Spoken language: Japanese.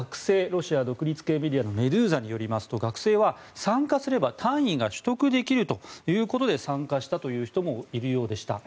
ロシア独立系メディアのメドゥーザによりますと学生は参加すれば単位が取得できるということで参加したという人もいるようでした。